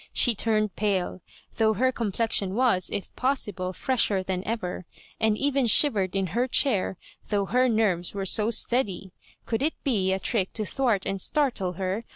She turned pale, though her com plexion was, if possible, fresher than ever, and' even shivered in her chair, though her nerves were so steady. Could it be a trick to thwart and startle her?